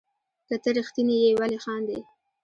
که ته ريښتيني يي ولي خاندي